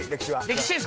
歴史は。